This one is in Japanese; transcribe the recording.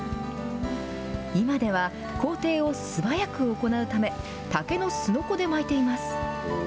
今では、工程を素早く行うため、竹のすのこで巻いています。